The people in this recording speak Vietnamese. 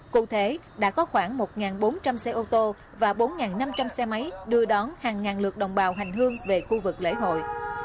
cụ thể đã có khoảng một bốn trăm linh xe ô tô và bốn năm trăm linh xe máy đưa đón hàng ngàn lượt đồng bào hành hương về khu vực lễ hội